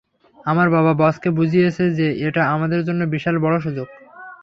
আমার বাবা বসকে বুঝিয়েছে যে, এটা আমাদের জন্য বিশাল বড় সুযোগ।